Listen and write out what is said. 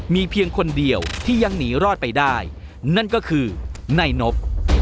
มีเพียงคนเดียวที่ยังหนีรอดไปได้นั่นก็คือนายนบ